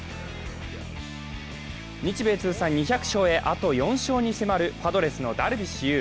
日米通算２００勝へ、あと４勝に迫るパドレスのダルビッシュ有。